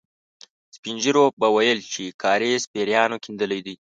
سپين ږيرو به ويل چې کاریز پېريانو کېندلی دی.